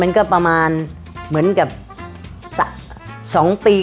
คุณพ่อมีลูกทั้งหมด๑๐ปี